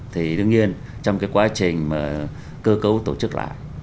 thì đương nhiên trong cái quá trình mà cơ cấu tổ chức lại